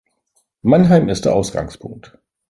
Mannheim ist der Ausgangpunkt